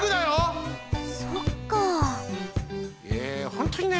ほんとにね